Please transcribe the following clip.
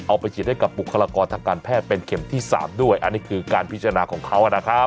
เอาไปฉีดให้กับบุคลากรทางการแพทย์เป็นเข็มที่๓ด้วยอันนี้คือการพิจารณาของเขานะครับ